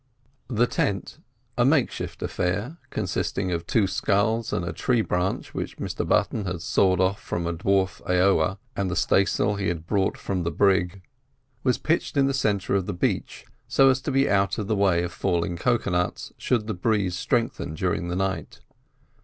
The tent, a makeshift affair, consisting of two sculls and a tree branch, which Mr Button had sawed off from a dwarf aoa, and the stay sail he had brought from the brig, was pitched in the centre of the beach, so as to be out of the way of falling cocoa nuts, should the breeze strengthen during the night.